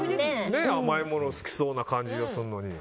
甘いもの好きそうな感じがするのに。